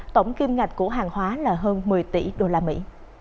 tổng kim ngạch của hàng hóa là hơn một mươi tỷ đô la mỹ